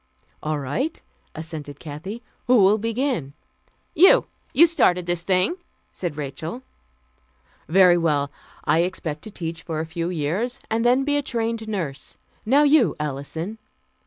"All right," assented Kathy. "Who will begin?" "You. You started this thing," said Rachel. "Very well. I expect to teach for a few years, and then to be a trained nurse. Now you, Alison."